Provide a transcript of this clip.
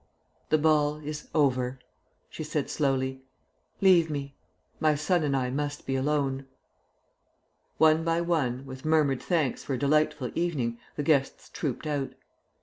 "The ball is over," she said slowly. "Leave me. My son and I must be alone." One by one, with murmured thanks for a delightful evening, the guests trooped out.